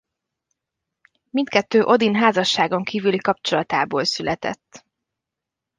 Mindkettő Odin házasságon kívüli kapcsolatából született.